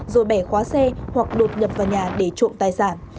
rồi bẻ khóa xe hoặc đột nhập vào nhà để trộm tài sản